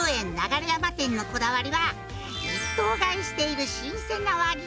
「のこだわりは一頭買いしている新鮮な」